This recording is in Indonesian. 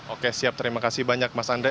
oke siap terima kasih banyak mas andre